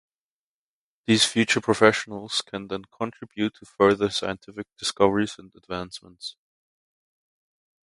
These future professionals can then contribute to further scientific discoveries and advancements.